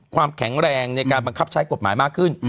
ความแข็งแรงในการบังคับใช้กฎหมายมากขึ้น